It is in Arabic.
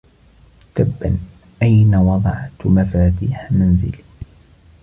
تبا، أين وضعت مفاتيح منزلي؟